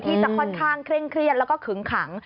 ที่จะค่อนข้างเคร่งเครียดแล้วก็ขึงขัง